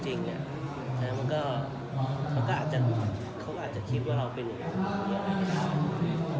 เขาก็อาจจะคิดว่าเราเป็นอีกอย่าง